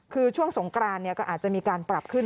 คือช่วงสงกรานก็อาจจะมีการปรับขึ้น